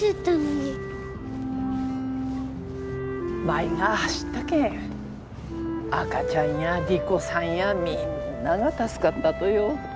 舞が走ったけん赤ちゃんや莉子さんやみんなが助かったとよ。